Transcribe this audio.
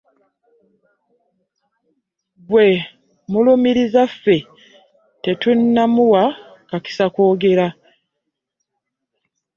Gwe mulumiriza ffe tetunnamuwa kakisa kwogera.